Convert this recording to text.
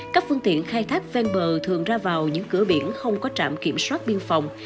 các phương tiện khai thác ven bờ thường ra vào những cửa biển không có trạm kiểm soát biên phòng